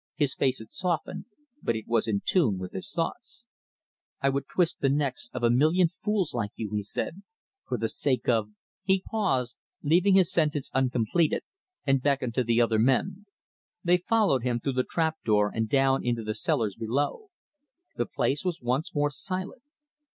His face had softened, but it was in tune with his thoughts. "I would twist the necks of a million fools like you," he said, "for the sake of " He paused, leaving his sentence uncompleted, and beckoned to the other men. They followed him through the trap door and down into the cellars below. The place was once more silent.